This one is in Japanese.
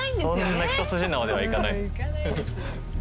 そんな一筋縄ではいかない。